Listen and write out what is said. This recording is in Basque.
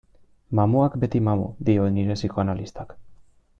Mamuak beti mamu, dio nire psikoanalistak.